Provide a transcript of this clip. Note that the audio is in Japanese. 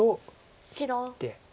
切って。